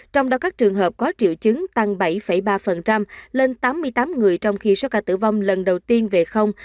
trong đó các trường hợp có triệu chứng tăng bảy ba lên tám mươi tám người trong khi số ca tử vong lần đầu tiên về không